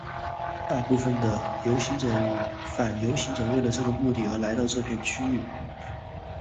大部分的游行者与反游行者为了这个目的而来到这片区域。